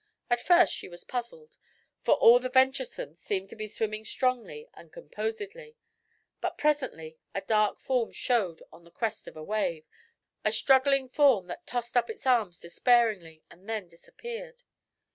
At first she was puzzled, for all the venturesome seemed to be swimming strongly and composedly; but presently a dark form showed on the crest of a wave a struggling form that tossed up its arms despairingly and then disappeared.